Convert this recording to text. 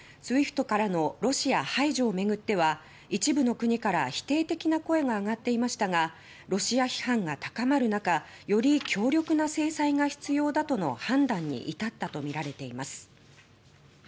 ＳＷＩＦＴからのロシア排除をめぐっては一部の国から否定的な声が上がっていましたがロシア批判が高まるなかより強力な制裁が必要だとの判断に至ったとみられています。